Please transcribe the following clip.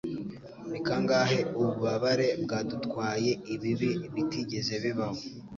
Ni kangahe ububabare bwadutwaye ibibi bitigeze bibaho.”